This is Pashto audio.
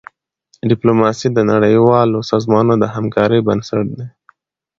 ډيپلوماسي د نړیوالو سازمانونو د همکارۍ بنسټ دی.